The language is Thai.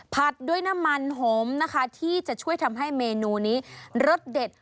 ด้วยน้ำมันหมนะคะที่จะช่วยทำให้เมนูนี้รสเด็ด